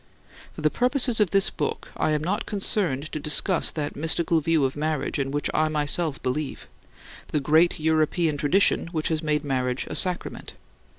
For the purposes of this book I am not concerned to discuss that mystical view of marriage in which I myself believe: the great European tradition which has made marriage a sacrament.